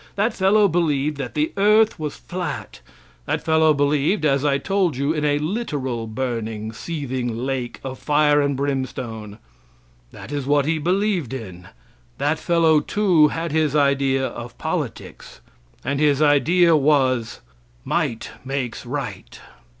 That fellow believed that the earth was flat. That fellow believed, as I told you, in a literal burning, seething lake of fire and brimstone. That is what he believed in. That fellow, too, had his idea of politics, and his idea was, "Might makes right."